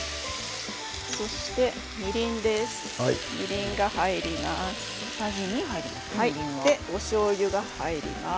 そして、みりんです。